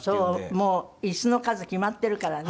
もう椅子の数決まってるからね。